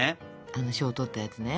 あの賞とったやつね。